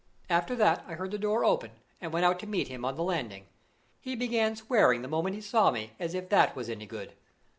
After that I heard the door open, and went out to meet him on the landing. He began swearing the moment he saw me, as if that was any good.